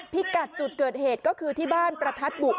พิกัดจุดเกิดเหตุก็คือที่บ้านประทัดบุก